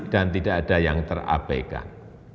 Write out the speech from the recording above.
dan tidak ada yang terabaikan